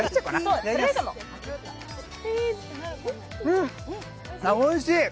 うん、おいしい！